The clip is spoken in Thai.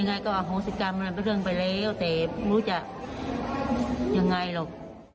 ไงก็อโหสิกรรมมันเป็นเรื่องไปแล้วแต่ไม่รู้จะยังไงหรอก